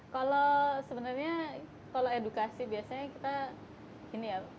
kalau sebenarnya kalau edukasi biasanya kita ini ya